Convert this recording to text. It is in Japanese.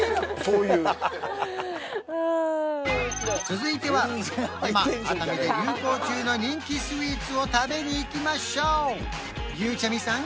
続いては今熱海で流行中の人気スイーツを食べに行きましょうゆうちゃみさん